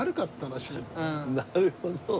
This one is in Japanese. なるほど。